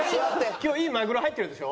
今日いいマグロ入ってるでしょ？